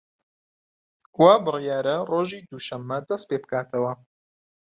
وا بریارە ڕۆژی دووشەممە دەست پێ بکاتەوە